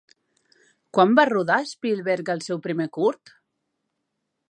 Quan va rodar Spielberg el seu primer curt?